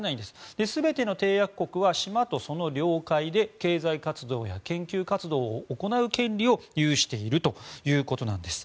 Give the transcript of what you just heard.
全ての締約国は島とその領海で経済活動や研究活動を行う権利を有しているということです。